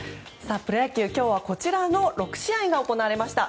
プロ野球、今日はこちらの６試合が行われました。